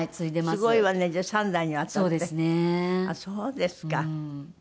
そうですね。